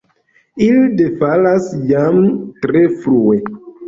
Ili defalas jam tre frue.